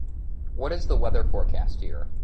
What is the weather forecast here